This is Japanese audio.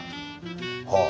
はあ。